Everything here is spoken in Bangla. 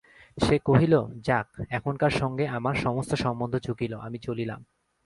সে কহিল–যাক, এখানকার সঙ্গে আমার সমস্ত সম্বন্ধ চুকিল, আমি চলিলাম।